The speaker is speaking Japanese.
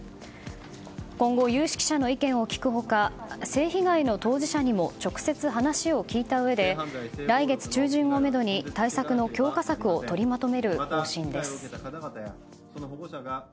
今後、有識者の意見を聞く他性被害の当事者にも直接、話を聞いたうえで来月中旬をめどに対策の強化策を取りまとめる方針です。